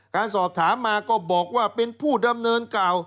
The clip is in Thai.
การสอบถามมาก็บอกว่าเป็นผู้ดำเนินเก่า